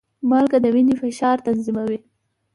مالګه د وینې فشار تنظیموي.